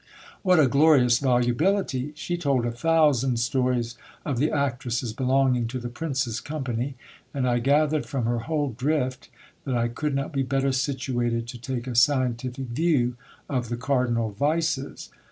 What a glorious volubility ! She told a thousand stories of the actresses belonging to the prince's company ; and I gathered from her whole drift that I could not be better situated to take a scientific view of the cardinal vices.